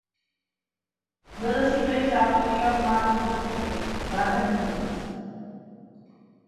ყველა სიმღერის ავტორია მარკ ნოპფლერი, გარდა მითითებულისა.